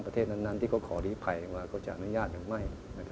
ที่จะขอรีภัยว่าเธอจะอนุญาตหรือไม่